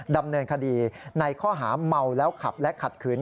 ดำเนินคดีในข้อหาเมาแล้วขับและขัดขืน